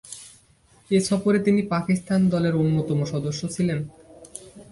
এ সফরে তিনি পাকিস্তান দলের অন্যতম সদস্য ছিলেন।